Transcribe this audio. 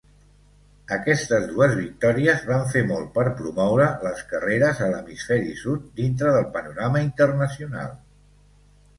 Aquestes dues victòries van fer molt per promoure les carreres a l'Hemisferi Sud dintre del panorama internacional.